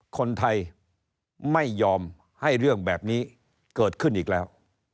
คนไทยไม่ยอมให้เรื่องแบบนี้เกิดขึ้นอีกแล้ว